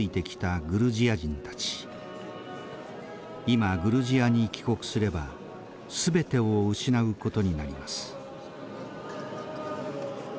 今グルジアに帰国すればすべてを失うことになります。